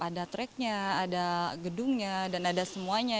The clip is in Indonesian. ada tracknya ada gedungnya dan ada semuanya